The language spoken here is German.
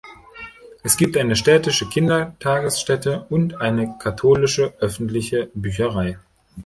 Es gibt eine städtische Kindertagesstätte und eine katholische öffentliche Bücherei.